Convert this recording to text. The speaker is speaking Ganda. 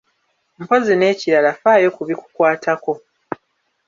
Mpozzi n’ekirala faayo ku bikukwatako.